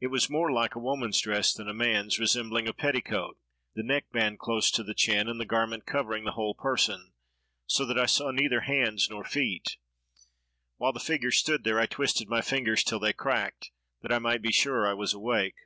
It was more like a woman's dress than a man's—resembling a petticoat, the neck band close to the chin, and the garment covering the whole person, so that I saw neither hands nor feet. While the figure stood there, I twisted my fingers till they cracked, that I might be sure I was awake.